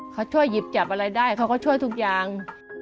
เขาช่วยหยิบจับอะไรได้เขาก็ช่วยทุกอย่าง